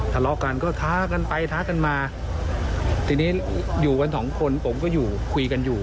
ทะเลาะกันก็ท้ากันไปท้ากันมาทีนี้อยู่กันสองคนผมก็อยู่คุยกันอยู่